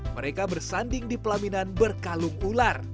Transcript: mereka bersanding di pelaminan berkalung ular